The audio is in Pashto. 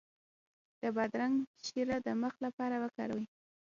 د بادرنګ شیره د مخ لپاره وکاروئ